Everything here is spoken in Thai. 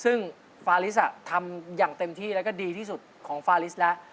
ซึ่งฟาลิสทำอย่างเต็มที่แล้วก็ดีที่สุดของฟาลิสแล้ว